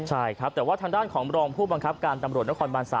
ใช่ครับแต่ว่าทางด้านของรองผู้บังคับการตำรวจนครบาน๓